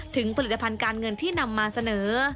ถึงผลิตภัณฑ์การเงินที่นำมาเสนอ